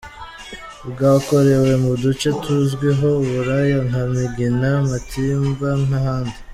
Bwakorewe mu duce tuzwiho uburaya nka Migina, Matimba n’ahandi.